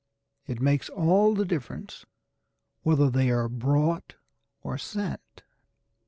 It makes all the difference whether they are brought or sent.